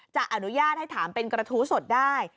จะอนุญาตให้ถามเป็นกระทู้สดได้